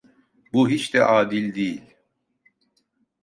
Bu hiç de adil değil!